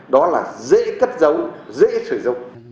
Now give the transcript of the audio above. đó là dễ cất giấu dễ sử dụng